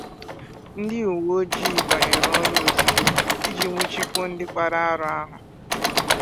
ndị uweojii banyere ọrụ ozigbo iji nwụchikọọ ndị kpara arụ ahụ